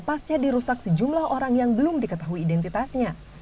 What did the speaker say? pasca dirusak sejumlah orang yang belum diketahui identitasnya